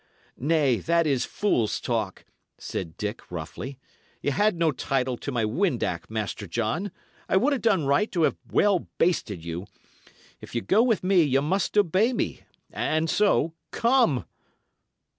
"Nay, that is fool's talk," said Dick, roughly. "Y' had no title to my windac, Master John. I would 'a' done right to have well basted you. If ye go with me, ye must obey me; and so, come."